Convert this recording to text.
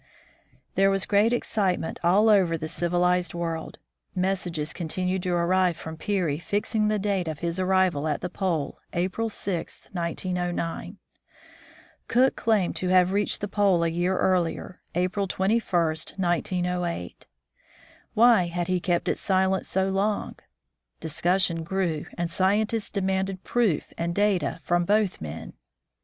There was great excitement all over the civilized world. Messages continued to arrive from Peary fixing the date of his arrival at the Pole, April 6, 1909. Cook claimed to have reached the pole a year earlier, April 21, 1908. Why had he kept silent so long ? Discussion grew, and scien tists demanded proof and data from both men.